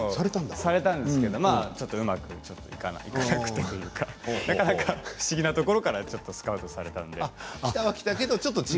されたんですけれどちょっとうまくいかなくてなかなか不思議なところからスカウトされたので。